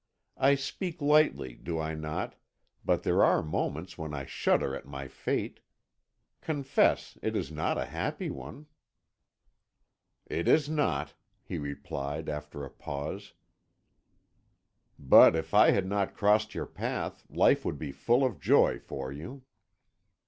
I speak lightly, do I not, but there are moments when I shudder at my fate. Confess, it is not a happy one." "It is not," he replied, after a pause, "but if I had not crossed your path, life would be full of joy for you."